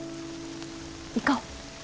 行こう。